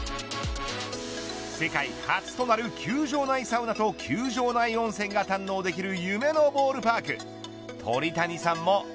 世界初となる球場内サウナと、球場内温泉が堪能できる夢のボールパーク。